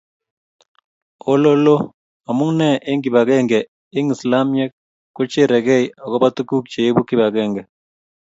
ololoo, amune eng' kibagenge eng' islamiek ko kechergei akubo tuguk che ibu kibagenge